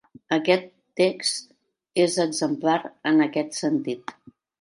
Aquest text és exemplar en aquest sentit.